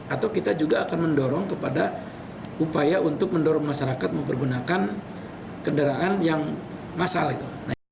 atau kita juga akan mendorong kepada upaya untuk mendorong masyarakat mempergunakan kendaraan yang masal gitu